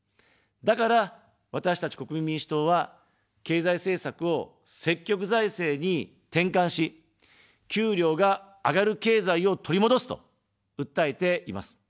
だから、私たち国民民主党は、経済政策を積極財政に転換し、給料が上がる経済を取り戻すと訴えています。